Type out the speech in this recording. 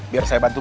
biar saya bareng